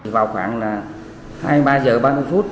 vào khoảng hai mươi ba h ba mươi phút